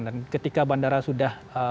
dan ketika bandara sudah